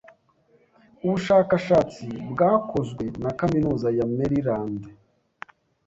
Ubushakashatsi bwakozwe na Kaminuza ya Meriland